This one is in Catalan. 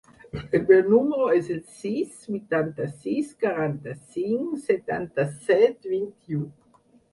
El meu número es el sis, vuitanta-sis, quaranta-cinc, setanta-set, vint-i-u.